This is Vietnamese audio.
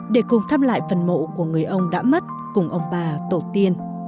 để cùng thăm lại phần mộ của người ông đã mất cùng ông bà tổ tiên